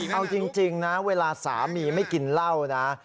เอาจริงนะเวลาสามีไม่กินเหล้านะ